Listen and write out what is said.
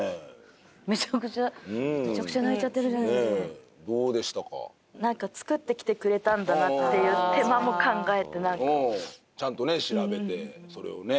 めちゃくちゃめちゃくちゃ泣いちゃってるじゃないですかどうでしたか作ってきてくれたんだなっていう手間も考えてなんかちゃんと調べてそれをね